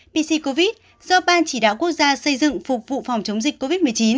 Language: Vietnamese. pc covid do ban chỉ đạo quốc gia xây dựng phục vụ phòng chống dịch covid một mươi chín